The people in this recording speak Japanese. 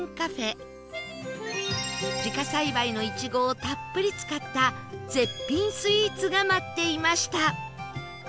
自家栽培のいちごをたっぷり使った絶品スイーツが待っていました